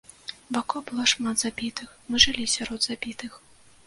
Вакол было шмат забітых, мы жылі сярод забітых.